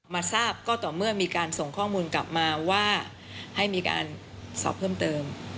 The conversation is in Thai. มาทราบก็ต่อเมื่อมีการส่งข้อมูลกลับมาว่าให้มีการสอบเพิ่มเติม